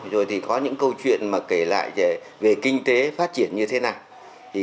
rồi thì có những câu chuyện mà kể lại về kinh tế phát triển như thế nào